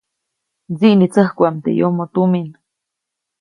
Mdsiʼnitsäjkuʼam teʼ yomoʼ tumin.